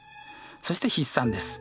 そして筆算です。